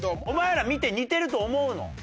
お前ら見て似てると思うの？